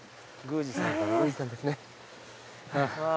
宮司さんですね。